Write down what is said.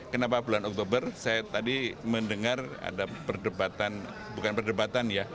kenapa bulan oktober saya tadi mendengar ada perdebatan bukan perdebatan ya